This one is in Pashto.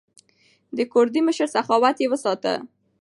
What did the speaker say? د کوردي مشر سخاوت یې وستایه.